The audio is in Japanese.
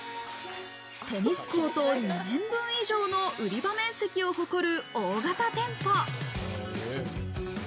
テニスコート２面分以上の売り場面積を誇る大型店舗。